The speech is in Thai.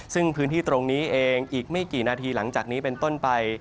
ซึ่งพื้นที่ตรงนี้เองอีกไม่กี่นาทีหลังจากนี้เป็นต้นไป